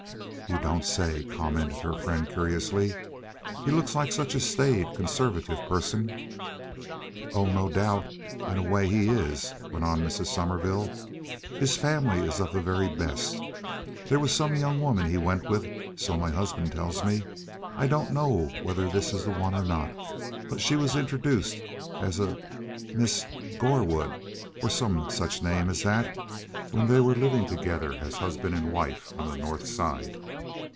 "You don't say!" commented her friend curiously. "He looks like such a staid, conservative person." "Oh, no doubt, in a way, he is," went on Mrs. Sommerville. "His family is of the very best. There was some young woman he went with—so my husband tells me. I don't know whether this is the one or not, but she was introduced as a Miss Gorwood, or some such name as that, when they were living together as husband and wife on the North Side."